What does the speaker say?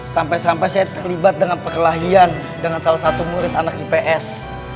sampai sampai saya terlibat dengan perkelahian dengan salah satu murid anak ips